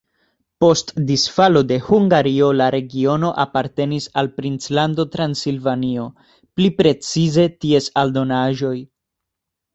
Post disfalo de Hungario la regiono apartenis al princlando Transilvanio, pli precize ties aldonaĵoj.